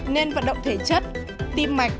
nên vận động thể chất tim mạch